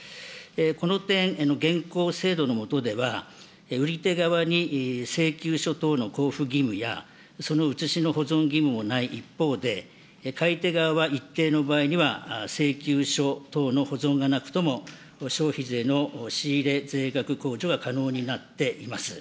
この点、現行制度のもとでは、売り手側に請求書等の交付義務や、その写しの保存義務もない一方で、買い手側は一定の場合には請求書等の保存がなくとも、消費税の仕入れ税額控除が可能になっています。